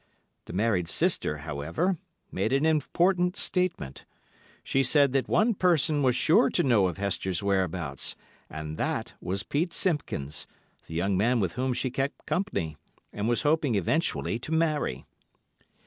The married sister, however, made an important statement. She said that one person was sure to know of Hester's whereabouts, and that was Pete Simpkins, the young man with whom she kept company, and was hoping eventually to marry.